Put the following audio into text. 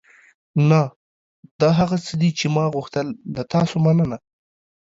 نه، دا هغه څه دي چې ما غوښتل. له تاسو مننه.